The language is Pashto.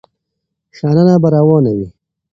شننه به روانه وي.